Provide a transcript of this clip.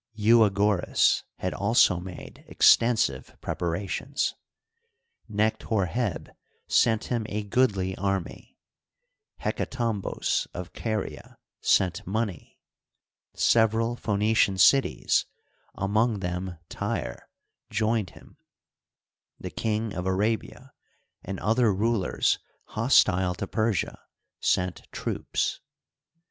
Euagoras had also made extensive preparations. Necht Hor heb sent him a goodly army; Hecatombos, of Caria, sent money; several Phoenician cities, among them Tyre, joined him ; the King of Arabia, and other rulers hostile to Persia, sent troops.